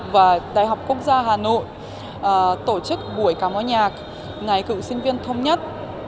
và đại học quốc gia hà nội tổ chức buổi cao mối nhạc ngày cựu sinh viên thống nhất